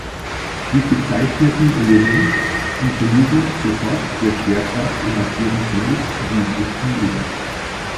Die gezeichneten Element unterliegen sofort der Schwerkraft und agieren somit wie im echten Leben.